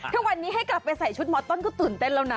ถ้าวันนี้ให้กลับไปใส่ชุดมต้นก็ตื่นเต้นแล้วนะ